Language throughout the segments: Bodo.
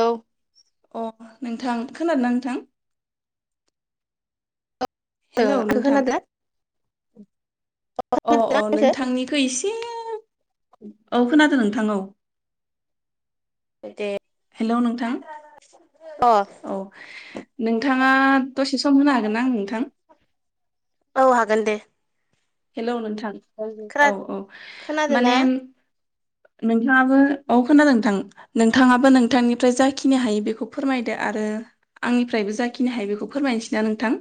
औ। अ नोंथां खोनादोंना नोंथां? हेलौ आंखौ नोंथां खोनादों आंखो अ अ नोंथांनि एसे औ खोनादों नोंथां औ। दे। हेल' नोंथां? अह। औ नोंथाङा दसे सम होनो हागोनना आं नोंथां? औ हागोन दे। हेलौ नोंथां खोना औ औ खोनादोंना माने नोंथाङाबो अ खोनादों थां। नोंथाङाबो नोंथांनिफ्राय जाखिनि हायो बेखौ फोरमायदो आरो आंनिफ्रायबो जाखिनि हाया बेखौ फोरमायनोसैना नोंथां।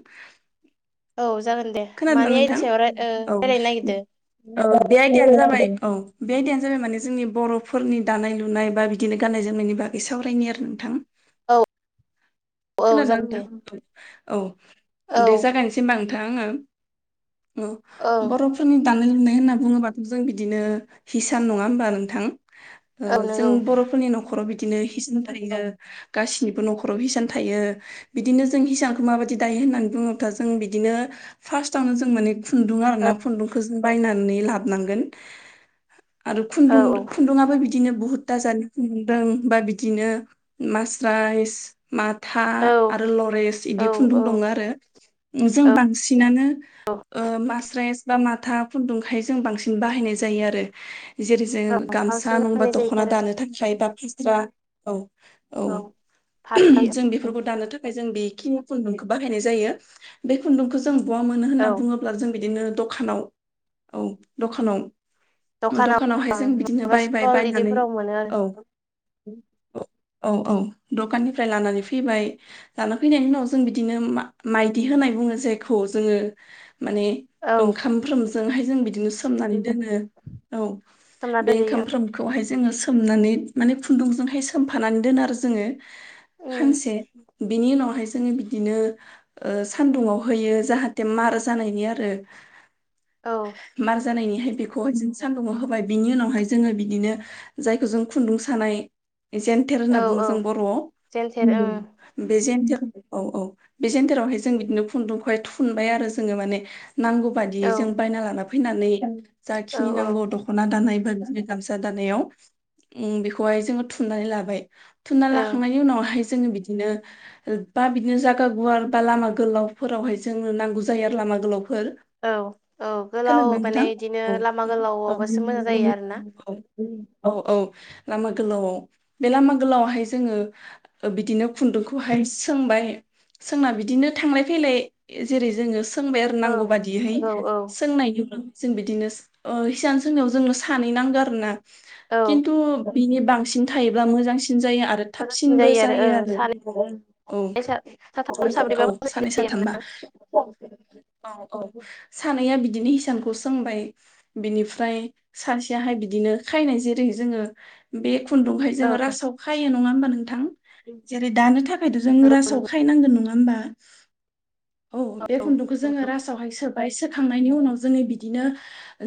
औ जागोन दे खोनादोंना मानियानि नोंथां सायाव राय ओ औ। रायलायनो नागिरदो औ बे आयदानो जाबाय औ बे आयदायानो जाबाय माने जोंनि बर'फोरनि दानाय लुनाय बा बिदिनो गाननाय जोमनायनि बागै सावरायनि आरो नोंथां। औ। औ जागोन खोनादोंना दे नोंथां? औ औ दे जागायनोसै होनबा नोंथां आङो। औ बर' फोरनि दानाय लुनाय होनना बुङोबाथ' जों बिदिनो हिसान नङा होनबा नोंथां? औ जों बर'फोरनि न'खराव बिदिनो हिसान थारि गासिनिबो न'खराव हिसान थायो। बिदिनो जों हिसांखौ माबायदि दायो होननानै बुङोब्ला जों बिदिनो फार्स्टावनो जों माने खुन्दुं आरो ना औ खुन्दुंखौ जों बायनानै लाबोनांगोन। आरो खुन्दुं औ औ औ खुन्दुङाबो बिदिनो बुहुत दाजानायखौ मोनदों बा बिदिनो मास्राइस माथा औ आरो लरेस बिदि औ खुन्दुं औ औ दङ आरो जों बांसिनानो मास्राइस बा माथा खुन्दुंखाय जों बांसिन बाहायनाय जायो आरो। जेरै जों गामसा बांसिन नङाबा बाहायनाय दख'ना जायोथारो दानो थाखाय बा फास्रा औ औ। फालि जों बेफोरखौ दानो थाखाय जों बेखिनि खुन्दुंखौ बाहायनाय जायो बे खुन्दुंखौ जों जों बहा मोनो औ होननानै बुङोब्ला जों बिदिनो दखानाव औ दखानाव दखानाव दखानावहाय जों बिदिनो माबा बायबाय स्टल बायनानै बिदिफोराव मोनो आरो औ औ औ दखाननिफ्राय लानानै फैबाय लाना फैनायनि उनाव जों बिदिनो माइदि होनाय बुङो जायखौ जोङो माने औ ओंखामफ्रोमजोंहाय जों बिदिनो सोमनानै दोनो औ सोमना बे दोनजायो ओंखामफ्रोम बेखौहाय जोङो सोमनानै माने खुन्दुंजोंहाय सोमफानानै दोन आरो जोङो ओं सानसे बिनि उनावहाय जोङो बिदिनो सान्दुंङाव होयो जाहाथे मार जानायनि औ आरोार जानायनिहाय बेखौहाय जों सान्दुंङाव होबाय बिनि उनावहाय जोङो बिदिनो जायखौ जों खुन्दुं सानाय जेन्थेर होनना औ बुङो औ जों बर'आव जेन्थेर ओम ओं बे जेन्थेर औ औ बे जेन्टेरावहाय जों बिदिनो खुन्दुंखौहाय थुनबाय आरो जोङो माने नांगौ बादियै औ जों बायना लाना फैनानै औ जाखिनि औ नांगौ दख दख'ना दानाय बा बिदोनो गामसा दानायाव ओ बेखौहाय जोङो थुननानै लाबाय थुनना ओं लाखांनायनि उनावहाय जोङो बिदिनो ओ बा बिदिनो जायागा गुवार बा लामा गोलावफोरावहाय जोंनो नांगौ जायो आरो लामा गोलावफोर औ औ गोलाव खोनोदोंना माने इदिनो लामा नोंथां औ गोलावबासो मोजां जायो आरोना औ औ औ औ लामा गोलावआव बे लामा गोलावहाय जोङो बिदिनो खुन्दुंखौहाय सोंबाय सोंना बिदिनो थांलाय फैलाय जेरै जोङो सोंबाय आरो नांगौ ओं औ बादियैहाय औ सोंनायनि उनाव जों बिदिनो ओ हिसान सोंनायाव जोंनो सानै नांगौ आरो ना औ खिन्थु बिनि बांसिन थायोब्ला मोजांसिन जायो आरो मोजांसिन थाबसिनबो आरो जायो ओं सानै आरो औ साथाम स साब्रैबा औ मोजांसिन सानै जायो साथामबा आरोना औ औ सानैया बिदिनो हिसानखौ सोंबाय बिनिफ्राय सासेयाहाय बिदिनो खायनाय जेरै जोङो बे खुन्दुंखाय जोङो औ रासाव खायो नङा होमबा नोंथां जेरै दानो थाखाय थाखायथ' जों नंगौ रासोआव नंगौ खायनांगोन नङा हबा औ बे खुन्दुंखौ जोङो नंगौ रासोआव हाय सोबाय सोखांनायनि उनाव जोङो बिदिनो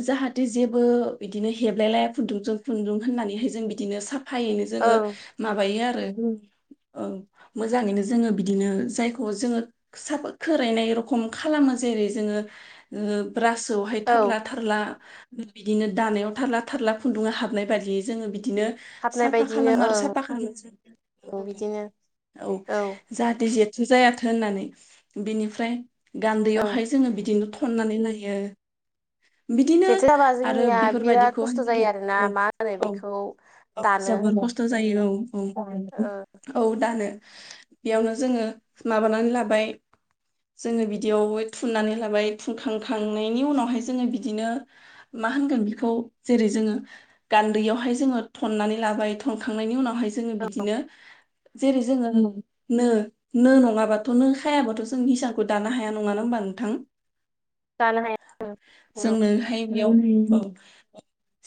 जाहाथे जेबो बिदिनो हेबलाय लाया खुन्दुंजों खुन्दुं होननानैहाय जों बिदिनो साफ फायैनो जोङो ओं माबायो आरो ओ मोजाङैनो जोङो बिदिनो जायखौ जोङो साफ खोरायनाय रखम खालामो जेरै जोङो ओ ब्रासआवहाय औ थाब्ला थारला बिदिनो दानायाव थारला थारला खुन्दुङा हाबनाय बायदियै जोङो बिदिनो हाबनाय साफा बायदिनो खालामो आरो साफा ओं खालामनो बिदिनो औ जाहाथे जेथो जायाथों होननानै बिनिफ्राय ओं गान्दैयावहाय जोङो बिदिनो थननानै नायो बिदिनो जेथो जाबा आरो जोंनिया बिराद बेफोरबायदिखौहाय खस्थ' जायो जोंनि आरोना औ मा होनो औ बेखौ औ दानो जोबोर खस्थ' जायो औ औ ओ औ दानो बेयावनो जोङो माबानानै लाबाय जोङो बिदियाव थुननानै लाबाय थुनखांखांनायनि उनावहाय जोङो बिदिनो मा होनगोन बेखौ जेरै जोङो गान्दैयावहाय जोङो थननानै लाबाय थनखांनायनि उनावहाय जोङो बिदिनो जेरै जोङो नो नो नङाबाथ' नो हायाबाथ' जों हिसारखौ दानो हाया नङाना होमबा नोंथां [inaudible] दानो हाया नंगौ जोंनोहाय बेयाव औ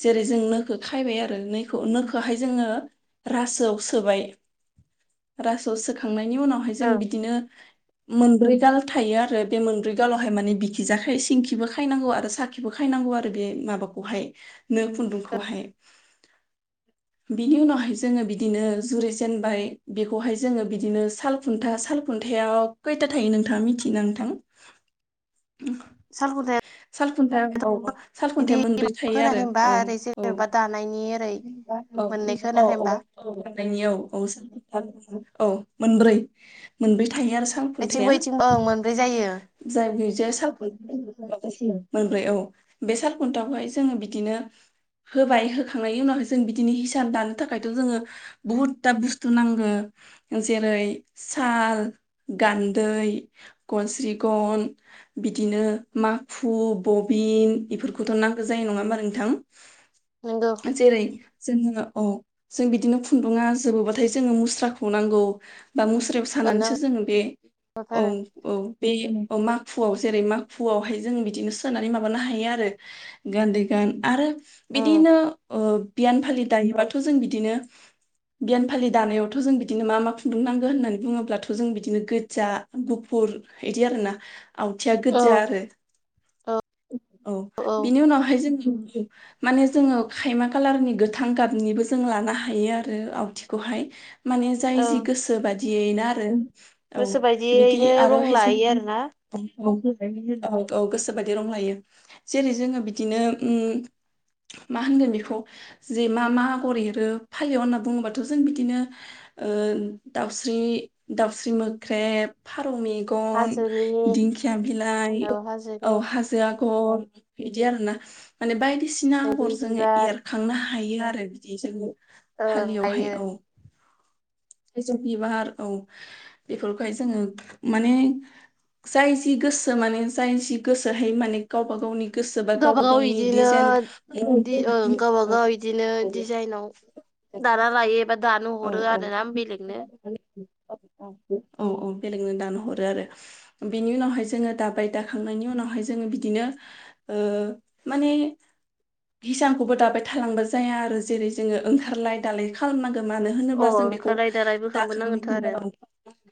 जेरै जों नोखौ खायबाय आरो खौ नोखौहाय जोङो रासोआव सोबाय रासोआव सोखांनायनि उनावहाय जों ओं बिदिनो मोनब्रै गाल थायो आरो बे मोनब्रै गालावहाय माने बिखि जाख सिंखिबो खायनांगौ आरो साखि खायनांगौ आरो बे माबाखौहाय नो ओं खुन्दुंखौहाय बिनि उनावहाय जोङो बिदिनो जुरि जेनबाय बेखौहाय जोङो बिदिनो साल खुन्था सालखुन्थायाव खैथा थायो नोंथाङा मिथियोना नोंथां [inaudible] [unintelligible] सालखुन्था औ औ सालखुन्थाया बिदि मोनब्रै माबा थायो आरो होनाखै होनबा औ ओरै औ जेनेबा दानायनि ओरै [unintelligible] मोननै औ खोनाखै अ होमबा अ औ गनायनि औ औ औ मोनब्रै मोनब्रै थायो आरो साल खुन्थाया ओइथिंबो ओइथिंबो ओं मोनब्रै जायो जाय गजाया [unintelligible] मोनब्रै औ बे सालखुन्थाखौहाय जोङो बिदिनो होबाय होखांनायनि उनावहाय जों बिदिनो हिसान दानो थाखायथ' जोङो बुहुद दाब बुस्थु नांगौ जेरै साल गान्दै गनस्रि गन, बिदिनो माखु, बबिन बेफोरखौथ' नांगौ जायो नङा होमबा नोंथां एस नंगौ जेरै जोङो औ जों बिदिनो खुन्दुङा जोबोबाथाय जोङो मुस्राखौ नांगौ। बा मुस्रायाव ओं सानानैसो जोङो बे औ नांथारो औ बे औ माखुआव जेरै माखुआवहाय जों बिदिनो सोनानै माबानो हायो आरो गान्दै गान आरो ओं बिदिनो ओ बियान फालि दायोबाथ' जों बिदिनो बियान फालि दानायावथ' जों बिदिनो मा मा खुन्दुं नांगो होननानै बुङोब्लाथ' जों बिदिनो गोजा गुफुर इदि आरो ना आवथिया औ गोजा आरो औ औ बिनि उनावहाय जोंङो माने जोङो खायमा खालारनि गोथां गाबनिबो जों लानो हायो आरो आवथिखौहाय माने जाय जि ओं गोसो बादियैनो आरो औ गोसो बिदि बायदियैनो रं आरोहाय जों लायो आरोना औ औ औ गोसोबायदि दिरूं लायो जेरै जोङो बिदिनो उम मा होनगोन बेखौ जे मा मा आगर एरो फालि होनना बुङोबाथ' जों बिदिनो ओ दाउस्रि दाउस्रि मोख्रेब फारौ मे गन हाजोनि दिंखिया बिलाइ औ औ हाजोनि हाजो आगर बिदि आरोना माने बायदिसिना बैग्रि आगर जोङो बिबार एरो खांनो हायो आरो बिदि जोङो ओं फालियावहाय हायो औ बेसर बिबार औ बेफोरखाय जोङो माने जाय जि गोसो माने जाय जि गोसोहाय माने गावबा गावनि गोसो बा गावबा गावबागाव गावनि डिजाइन इदिनोओ औ गावबागाव बिदिनो डिजाइनाव दाना लायो एबा दानो हरो आरो ना बेलेगनो। औ औ औ औ बेलेगनो दानो हरो आरो बेनि उनावहाय जोङो दाबाय दाखांनायनि उनावहाय जोङो बिदिनो ओ माने हिसांखौबो दाबाय थालांबा जाया आरो जेरै जोङो ओंखारलाय दालाय खालामनांगौ मानो अ होनोब्ला जों बेखौ ओंखार रायदा रायबो खालामब नांगोनथ' दाखांनायखौ आरो औ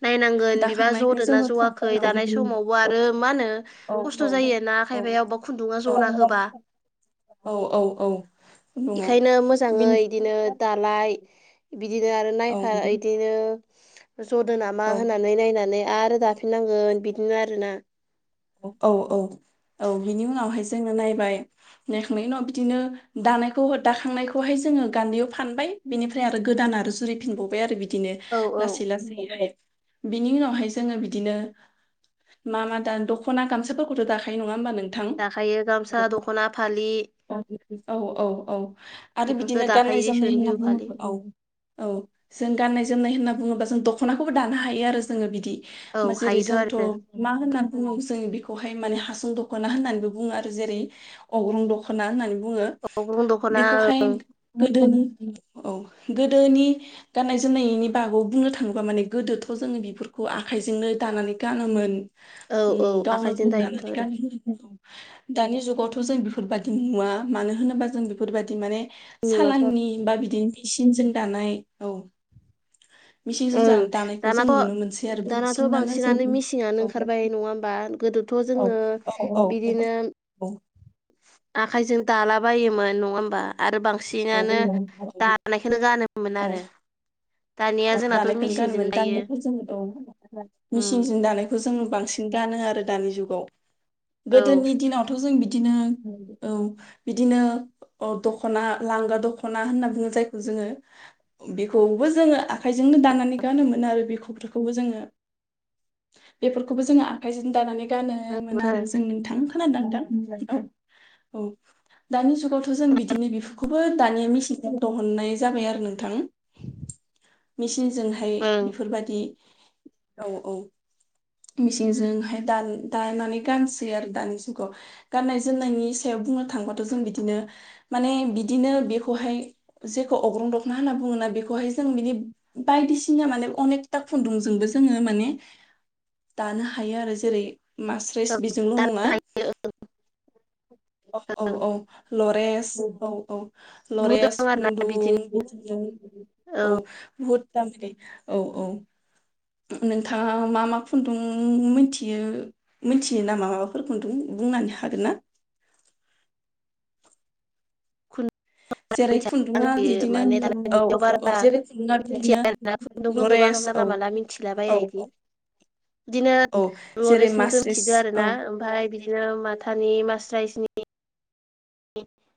नायनांगोन बिबा दाखांनायखौ जद ना जोङो ज'आखै दानाय समावबो आरो मा होनो औ खस्थ' औ जायो आरोना औ खायफाया अबेबा खुन्दुङा औ जना होबा औ औ औ नङा बेखायनो मोजाङै बेनि बिदिनो दा दालाय बिदिनो आरो औ नायफा बिदिनो जदो नामा औ होननानै नायनानै आरो दाफिननांगोन बिदिनो आरो ना औ औ औ बिनि उनावहाय जोंङनो नायबाय नायखांनायनि उनाव बिदिनो दानायखौ दाखांनायखौहाय जोङो गान्दैयाव फानबाय बेनिफ्राय आरो गोदान आरो जुरिफिनबावबाय आरो बिदिनो औ औ लासै लासैहाय बिनि उनावहाय जोङो बिदिनो मा मा दान द ख'ना गामसाफोरखौथ' दाखायो नंङा होमबा नों खायो गामसा दख'ना फालि औ औ औ आरो इफोरखौ बिदिनो गाननाय दाखायो जोमनाय दिसुन होनना बिहु बुङ फालि औ औ जों गाननाय जोमनाय होनना बुङोब्ला जों दख'नाखौबो दानो हायो आरो जोङो बिदि औ जेरै हायोथ' जोंथ' आरो मा होननानै बुङो जों बेखौहाय माने हासं दख'ना होननानैबो बुङो आरो जेरै अग्रं दख'ना होननानै बुङो। अग्रं दख'ना बेखौहाय ओं गोदोनि औ गोदोनि गाननाय जोमनायनि बागै बुंनो थाङोब्ला माने गोदोथ' जोङो बेफोरखौ आखाइजोंनो दानानै गानोमोन। औ औ उम गावनो आखाइजों दायोमोनथ' दानानै आरो गानो। दानि जुगावथ' जों बेफोरबायदि नुवा मानो होनोबा जों बेफोरबायदि माने नुलाथ' आरो सालाननि बा बिदिनो मिसिनजों दानाय औ। मिसिंजों ओं जानो दानायखौ जों दानाथ' नुनो मोनसै आरो दानाथ' जों बांसिनानो मिसिंङानो औ ओंखारबाय नंङा होम बा गोदोथ' औ जोङो औ बिदिनो औ। आखाइजों दाला बायोमोन नङा होमबा? आरो बांसिनानो औ दानायखौ गानोमोन आरो। दानिया अ जोंनाथ' दानायखौनो मेचिनजोंनो गानोमोन दायो दानिफोर जों औ उम मिसिंजों दानाय खो जों बांसिन गानो आरो दानि जुगाव औ गोदोनि दिनाव थ' जों बिदिनो औ बिदिनो अ दख'ना लांगा दख'ना होनना बुङो जायखौ जोङो बेखौबो जोङो आखाइजोंनो दानानै गानोमो आरो बेखौ बेखौबो जोङो। बेफोरखौबो जोङो आखाइजों दानानै गानोमोन नोंगौथार आरो जों नोंथां खोनादों नोंथां औ औ दानि जुगाव थ' जों बिदिनो बिफोरखौबो दानिया मेचनाव दिहुननाय जाबाय आरो नोंथां। मेसिनजोंहाय ओं बेफोरबायदि औ औ। मेचिनजोंहाय दान दानानै गानसै आरो दानि जुगाव। गाननाय जोमनायनि सायाव बुंनो थांबाथ' जों बिदिनो माने बिदिनो बेखौहाय जेखौ अग्रं दखना होनना बुङोना बेखौहाय जों बिदि बायदिसिना माने अनेकथा खुन्दुंजोंबो जोङो माने दानो हायो आरो जेरै मास्रेस औ बेजोंल' दानो नङा हायो औ औ ओं औ लरेस औ औ। बहुद लरेस दं आरोना खुन्दुं बिदिनो [unintelligible] औ। बहुद दाम दै औ औ। नोंथाङा मा मा खुन्दुं मिथियो मिथियो नामा माबाफोरखौ खुन्दुं बुंनानै हागोन ना? खुन [inaudible] खुन्दुङा [unintelligible] बिदिनो खुन्दुंफोरखौबो औ औ आं जेरै खुन्दुङा जानला बिदिनो मोनला लरेन्स औ मिथिला औ बाया औ बिदि। बिदिनो औ जेरै लरेन्सनिखौ मास्रिस मिथिगौ आरो ना औ ओमफ्राय बि बिदिनो माथानि मास्राइसनि [inaudible]